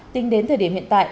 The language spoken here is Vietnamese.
tính đến thời điểm hiện tại